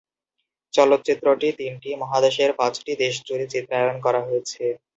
চলচ্চিত্রটি তিনটি মহাদেশের পাঁচটি দেশ জুড়ে চিত্রায়ন করা হয়েছে।